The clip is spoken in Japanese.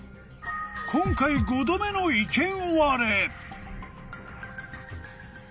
今回５度目の意見割れ